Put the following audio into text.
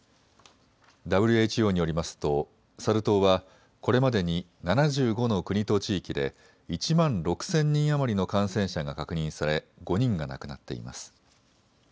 ＷＨＯによりますとサル痘はこれまでに７５の国と地域で１万６０００人余りの感染者が確認され５人が亡くなっています。